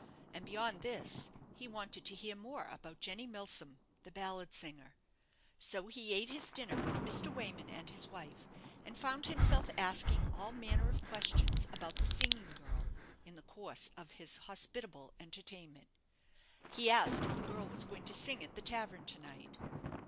And beyond this, he wanted to hear more about Jenny Milsom, the ballad singer. So he ate his dinner with Mr. Wayman and his wife, and found himself asking all manner of questions about the singing girl in the course of his hospitable entertainment. He asked if the girl was going to sing at the tavern to night.